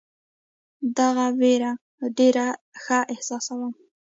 دغه وېره ډېر ښه احساسوم.